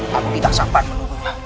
tapi kita sabar menurun